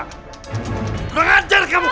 gue nganjar kamu